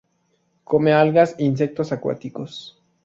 Come algas e insectos acuáticos.